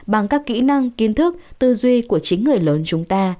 bằng các kỹ năng kiến thức tư duy của chính người lớn chúng ta